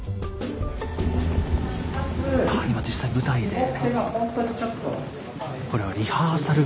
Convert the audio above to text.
あ今実際に舞台で。